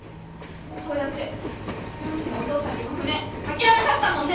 そうやってりょーちんのお父さんにも船諦めさせたもんね！